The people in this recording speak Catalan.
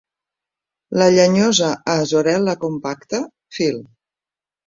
La llenyosa "Azorella compacta" Phil.